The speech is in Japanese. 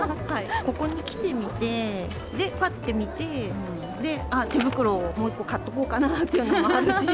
ここに来てみて、で、ぱって見て、あっ、手袋をもう一個買っておこうかなというのもありますし。